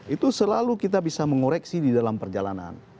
itu selalu kita bisa mengoreksi di dalam perjalanan